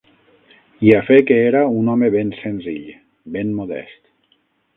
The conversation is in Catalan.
I a fe que era un home ben senzill, ben modest